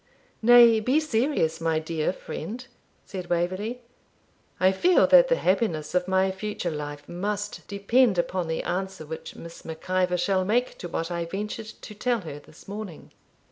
'Nay, be serious, my dear friend,' said Waverley; 'I feel that the happiness of my future life must depend upon the answer which Miss Mac Ivor shall make to what I ventured to tell her this morning.'